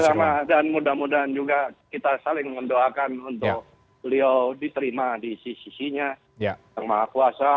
sama dan mudah mudahan juga kita saling mendoakan untuk beliau diterima di sisi sisinya yang maha kuasa